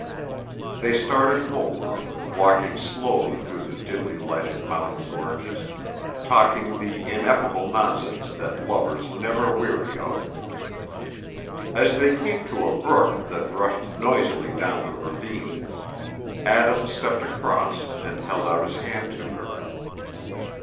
They started homeward, walking slowly through the dimly lighted mountain gorges, talking the ineffable nonsense that lovers never weary of. As they came to a brook that rushed noisily down the ravine, Adam stepped across, and held out his hand to her.